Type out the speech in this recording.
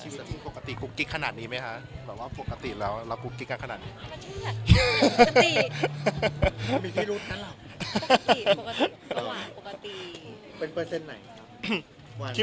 ชีวิตในที่ปกติกุ๊กกิ๊กขนาดนี้ไหมคะบอกว่าปกติเรากุ๊กกิ๊กขนาดนี้